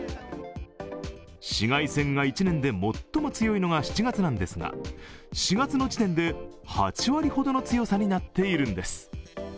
紫外線が１年で最も強いのは７月なんですが、４月の時点で、８割ほどの強さになっているんです。